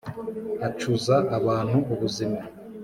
acuza abantu ubuzima.